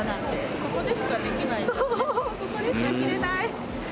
ここでしか着れない！